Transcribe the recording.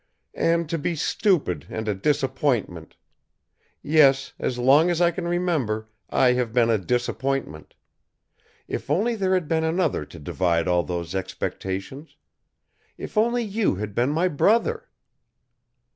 "And to be stupid and a disappointment! Yes, as long as I can remember, I have been a disappointment. If only there had been another to divide all those expectations. If only you had been my brother!"